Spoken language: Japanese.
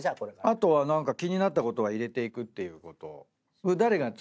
あとは何か気になったことは入れていくっていう。